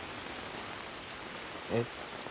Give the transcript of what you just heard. えっ？